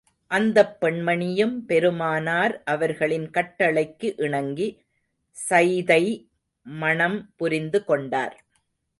அந்தப் பெண்மணியும் பெருமானார் அவர்களின் கட்டளைக்கு இணங்கி, ஸைதை மணம் புரிந்து கொண்டார்.